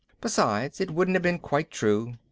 Besides, it wouldn't have been quite true.